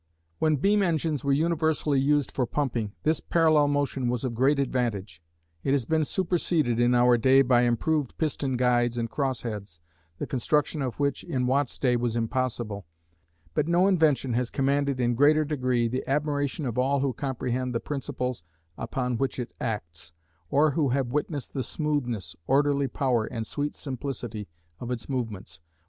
When beam engines were universally used for pumping, this parallel motion was of great advantage. It has been superseded in our day, by improved piston guides and cross heads, the construction of which in Watt's day was impossible, but no invention has commanded in greater degree the admiration of all who comprehend the principles upon which it acts, or who have witnessed the smoothness, orderly power and "sweet simplicity" of its movements.